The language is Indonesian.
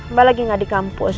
mbak lagi gak di kampus